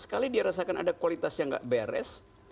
sekali dia rasakan ada kualitas yang gak beres